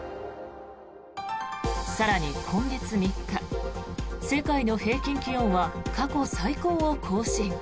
更に、今月３日世界の平均気温は過去最高を更新。